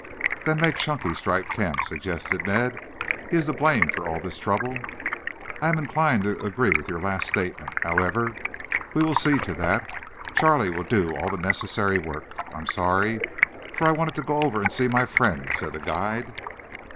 "Then make Chunky strike camp," suggested Ned. "He is to blame for all this trouble." "I am inclined to agree with your last statement. However, we will see to that. Charlie will do all the necessary work. I am sorry, for I wanted to go over and see my friend," said the guide.